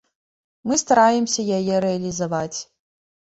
Мы стараемся яе рэалізаваць.